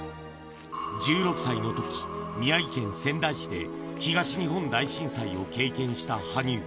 １６歳のとき、宮城県仙台市で東日本大震災を経験した羽生。